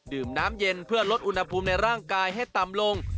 ดื่มน้ำเย็นเพื่อลดอุณหภูมิในร่างกายให้ต่ำลง